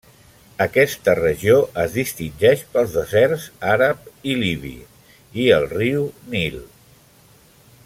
Aquesta regió es distingeix pels deserts àrab i libi, i el riu Nil.